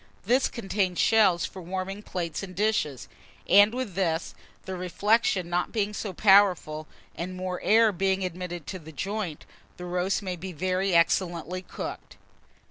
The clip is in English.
This contains shelves for warming plates and dishes; and with this, the reflection not being so powerful, and more air being admitted to the joint, the roast may be very excellently cooked.